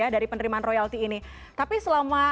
dari penerimaan royalti ini tapi selama